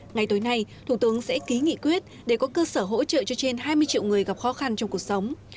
ngay tối nay thủ tướng sẽ ký nghị quyết để có cơ sở hỗ trợ cho trên hai mươi triệu người gặp khó khăn trong cuộc sống